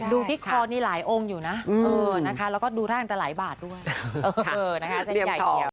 ดูที่คลอนนี้หลายองค์อยู่นะแล้วก็ดูท่านั้นแต่หลายบาทด้วย